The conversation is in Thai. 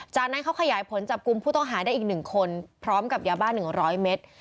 จากนั้นเขาขยายผลจับกลุ่มผู้ต้องหาได้อีก๑คนพร้อมกับยาบ้า๑๐๐เมตร